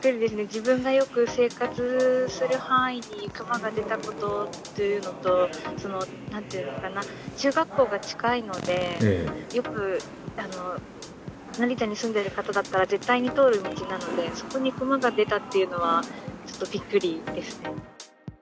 自分がよく生活する範囲に熊が出たことというのと、そのなんていうのかな、中学校が近いので、よく、成田に住んでる方だったら絶対に通る道なので、そこに熊が出たっていうのはちょっとびっくりですね。